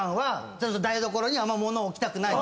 台所にあんま物置きたくない。